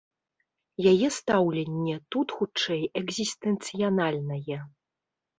Яе стаўленне тут хутчэй экзістэнцыяльнае.